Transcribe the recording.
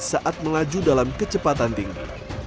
saat melaju dalam kecepatan tinggi